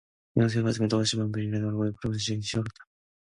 영숙의 가슴에는 또다시 번민이 일기가 시작하여 얼굴빛이 푸르러 지기를 비롯한 다.